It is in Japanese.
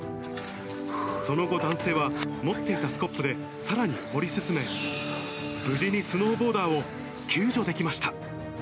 その後、男性は持っていたスコップでさらに掘り進め、無事にスノーボーダーを救助できました。